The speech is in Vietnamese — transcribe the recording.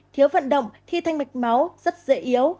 thiếu vận động thi thanh mạch máu rất dễ yếu